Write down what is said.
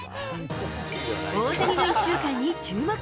大谷の１週間に注目。